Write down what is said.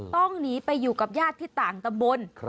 ต้องหนีไปอยู่กับญาติที่ต่างตำบล